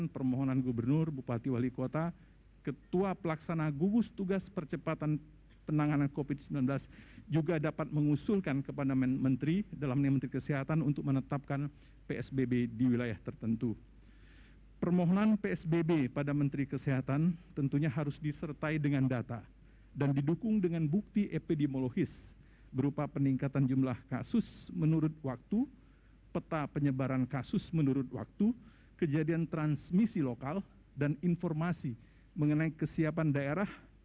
pembatasan sosial berskala besar